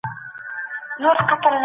پخوانۍ دیموکراسي له نننۍ هغې سره فرق لري.